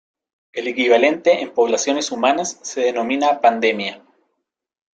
El equivalente en poblaciones humanas se denomina pandemia.